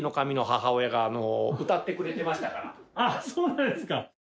あっそうなんですか！